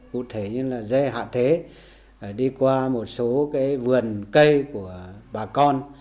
cụ thể như là dê hạ thế đi qua một số cái vườn cây của bà con